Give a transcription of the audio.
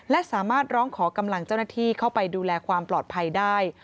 และสามารถร้องขอกำลังเจ้าหน้าที่เข้าไปดูแลความปลอดภัยได้